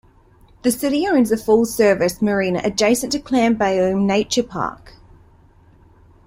The city owns a full-service marina adjacent to Clam Bayou Nature Park.